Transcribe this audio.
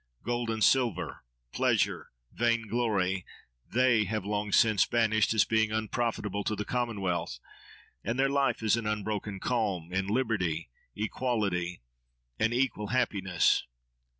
Gold and silver, pleasure, vainglory, they have long since banished, as being unprofitable to the commonwealth; and their life is an unbroken calm, in liberty, equality, an equal happiness.